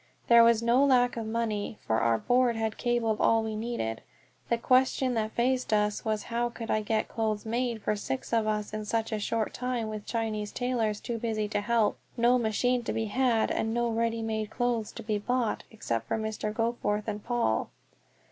There was no lack of money, for our Board had cabled all we needed. The question that faced us was how could I get clothes made for six of us in such a short time, with Chinese tailors too busy to help, no machine to be had, and no ready made clothes to be bought except for Mr. Goforth and Paul.